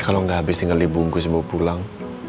kalau gak habis tinggal dibungkus bawa pulang